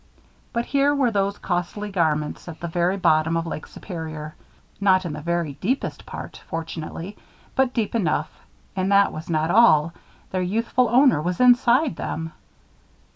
But here were those costly garments at the very bottom of Lake Superior; not in the very deepest part, fortunately, but deep enough. And that was not all. Their youthful owner was inside them.